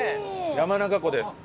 山中湖です。